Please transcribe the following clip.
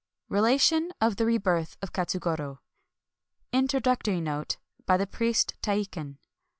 ] Relation of the Rebirth of Katsugoro. 4. — (Introductory Note by the Priest Teikin.)